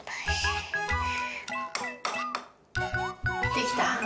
できた？